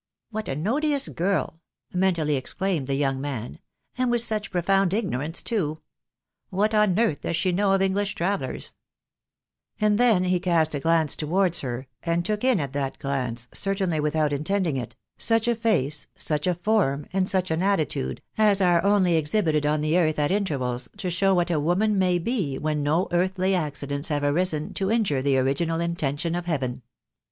''''" What an odious girl !" mentally exclaimed the young man ;" and with such profound ignorance too ! What on earth does she know of English travellers ?" And then he cast a glance towards her, and took in at that glance, certainly without intending it, such a face, such a form, and such an attitude, as are only exhibited on the earth at intervals to show what a woman may be when no earthly accidents have arisen to injure the original intention of Heaven.